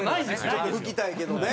ちょっと拭きたいけどね。